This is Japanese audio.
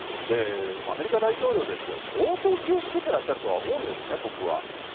アメリカ大統領ですよ、相当気をつけてはいらっしゃるとは思うんですね、僕は。